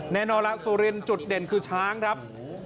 แน่นอนละสุรินทร์จุดเด่นคือช้างครับ